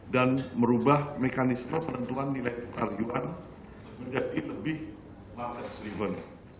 dan merubah mekanisme penentuan nilai taruhan menjadi lebih malas liban